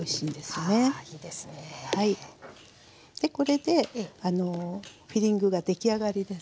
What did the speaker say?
これでフィリングが出来上がりですね。